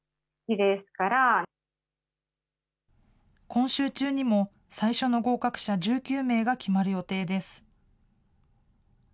今週中にも最初の合格者１９名が決まる予定です。